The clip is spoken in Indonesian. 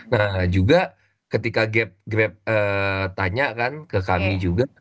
nah juga ketika grab tanya kan ke kami juga